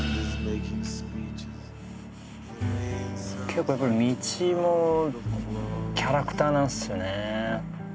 結構やっぱり道もキャラクターなんすよね。